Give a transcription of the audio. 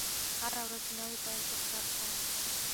هره ورځ د نوي پیل فرصت دی.